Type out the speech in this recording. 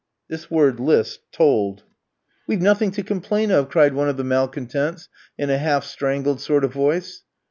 This word "list" told. "We've nothing to complain of!" cried one of the malcontents, in a half strangled sort of voice.